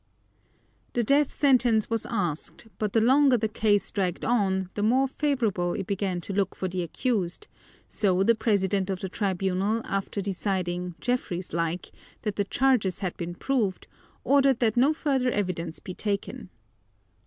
The death sentence was asked, but the longer the case dragged on the more favorable it began to look for the accused, so the president of the tribunal, after deciding, Jeffreys like, that the charges had been proved, ordered that no further evidence be taken.